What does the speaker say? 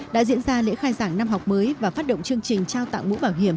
đã diễn ra lễ khai giảng năm học mới và phát động chương trình trao tặng mũ bảo hiểm